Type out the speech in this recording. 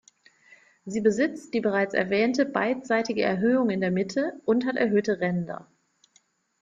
Sie besitzt die bereits erwähnte beidseitige Erhöhung in der Mitte und hat erhöhte Ränder.